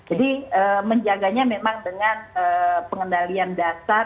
jadi menjaganya memang dengan pengendalian dasar